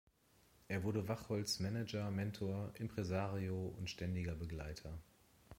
Er wurde Wachholz’ Manager, Mentor, Impresario und ständiger Begleiter.